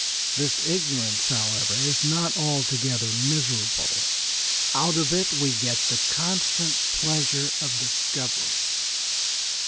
This ignorance, however, is not altogether miserable. Out of it we get the constant pleasure of discovery.